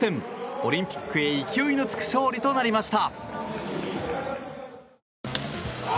オリンピックへ勢いのつく勝利となりました。